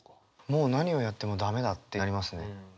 「もう何をやっても駄目だ」ってやりますね。